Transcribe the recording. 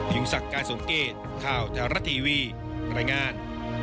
อย่างสักการสงเกตข่าวเทวรัฐทีวีรายงาน